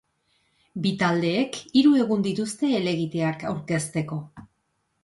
Bi taldeek hiru egun dituzte helegiteak aurkezteko.